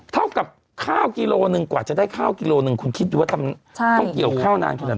เท่ากับข้าวกิโลหนึ่งกว่าจะได้ข้าวกิโลหนึ่งคุณคิดดูว่าต้องเกี่ยวข้าวนานขนาดไหน